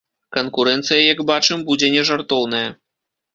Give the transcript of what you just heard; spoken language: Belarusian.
Канкурэнцыя, як бачым, будзе не жартоўная.